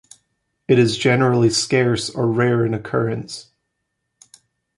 It is generally scarce or rare in occurrence.